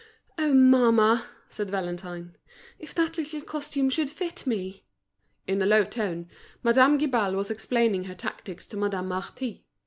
"Oh! mamma," said Valentine, "if that little costume should fit me!" In a low tone, Madame Guibal was explaining her tactics to Madame Marty.